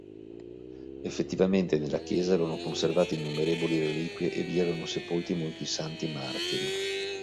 Effettivamente nella chiesa erano conservati innumerevoli reliquie e vi erano sepolti molti santi martiri.